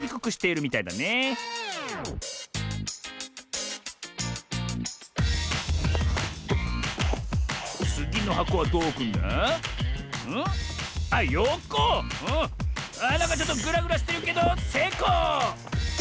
なんかちょっとぐらぐらしてるけどせいこう！